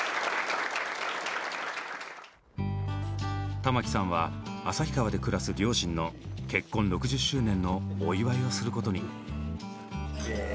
玉置さんは旭川で暮らす両親の結婚６０周年のお祝いをすることに。